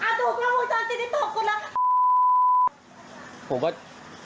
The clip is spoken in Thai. ตกคุณตกคุณตรงไหนค่ะตรงไหนมานี่เอาจริงไปฟูจาร์ตอนนี้ตกกูแหละ